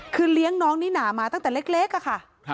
คือเลี้ยงน้องนิน่ามาตั้งแต่เล็กอะค่ะ